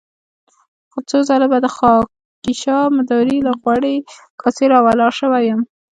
څو ځله به د خاکيشاه مداري له غوړې کاسې را ولاړ شوی يم.